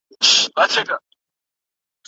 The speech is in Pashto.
کوچیان د څارویو په لرلو سره اقتصادي برخه فعاله کوي.